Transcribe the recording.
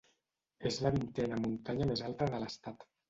És la vintena muntanya més alta de l'estat.